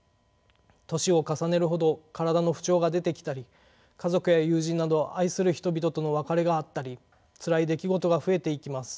年を重ねるほど体の不調が出てきたり家族や友人など愛する人々との別れがあったりつらい出来事が増えていきます。